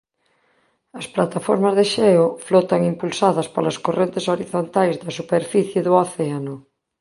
As plataformas de xeo flotan impulsadas polas correntes horizontais da superficie do océano.